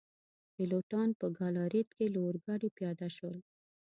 پیلوټان په ګالاریټ کي له اورګاډي پیاده شول.